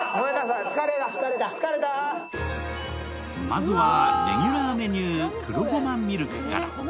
まずはレギュラーメニュー、黒ごまミルクから。